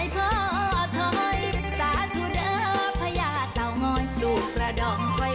พอชกพวกก็ไม่จ่วย